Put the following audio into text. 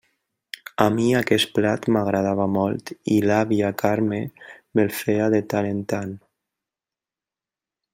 A mi aquest plat m'agradava molt i l'àvia Carme me'l feia de tant en tant.